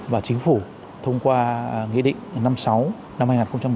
và chính phủ thông qua nghị định năm sáu năm hai nghìn một mươi bảy